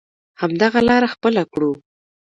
همدغه لاره خپله کړو.